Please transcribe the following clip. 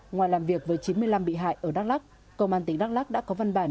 ngoài làm việc với chín mươi năm bị hại ở đắk lắk công an tỉnh đắk lắc đã có văn bản